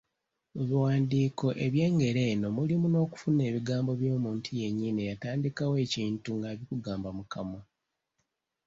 Mu biwandiiko eby’engeri eno mulimu n’okufuna ebigambo by’omuntu yennyini eyatandikawo ekintu ng’abikugamba mu kamwa.